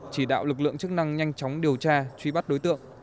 chỉ đạo lực lượng chức năng nhanh chóng điều tra truy bắt đối tượng